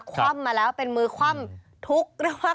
คว่ำมาแล้วเป็นมือคว่ำทุกข์